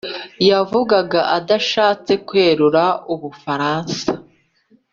Yavugaga adashatse kwerura u Bufaransa